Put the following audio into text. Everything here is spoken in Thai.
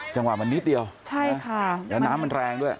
จังหวะมันนิดเดียวและน้ำมันแรงด้วย